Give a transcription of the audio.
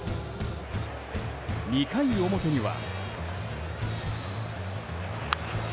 ２回表には。